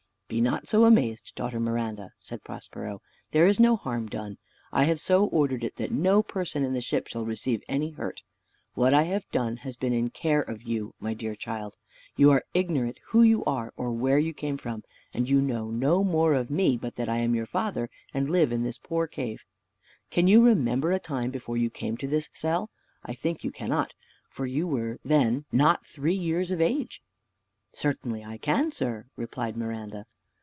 "Be not so amazed, daughter Miranda," said Prospero; "there is no harm done. I have so ordered it, that no person in the ship shall receive any hurt. What I have done has been in care of you, my dear child. You are ignorant who you are, or where you came from, and you know no more of me, but that I am your father, and live in this poor cave. Can you remember a time before you came to this cell? I think you cannot, for you were not then three years of age." "Certainly I can, sir," replied Miranda.